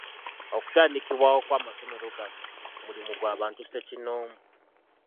Okutandikibwawo kw’amasomero gano mulimu gw’abantu ssekinnoomu.